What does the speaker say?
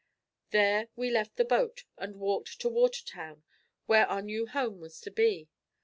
There we left the boat and walked to Watertown where our new home was to be.